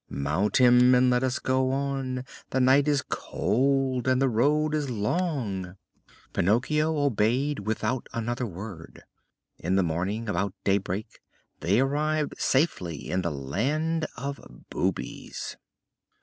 Mount him and let us go on: the night is cold and the road is long." Pinocchio obeyed without another word. In the morning about daybreak they arrived safely in the "Land of Boobies."